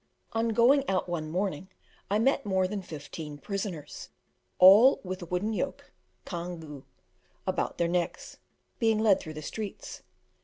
On going out one morning, I met more than fifteen prisoners, all with a wooden yoke (can gue) about their necks, being led through the streets.